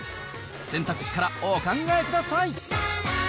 選択肢からお考えください。